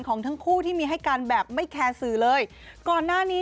ของทั้งคู่ที่มีให้กันแบบไม่แคร์สื่อเลยก่อนหน้านี้